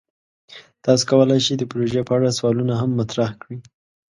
تاسو کولی شئ د پروژې په اړه سوالونه هم مطرح کړئ.